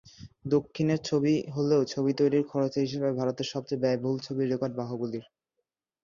দক্ষিণের ছবি হলেও ছবি তৈরির খরচের হিসাবে ভারতের সবচেয়ে ব্যয়বহুল ছবির রেকর্ড বাহুবলীর।